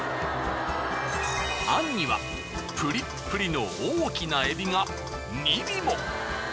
餡にはプリップリの大きな海老が２尾も。